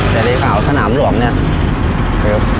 เจรข่าวขนามหลวงเนี่ย